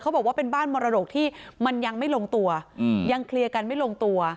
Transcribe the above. บอกว่าเป็นบ้านมรดกที่มันยังไม่ลงตัวยังเคลียร์กันไม่ลงตัว